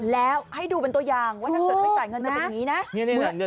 แล้วให้ดูเป็นตัวอย่างว่าถ้าเกิดไม่จ่ายเงินจะเป็นอย่างนี้นะ